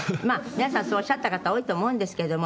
皆さんそうおっしゃった方多いと思うんですけれども。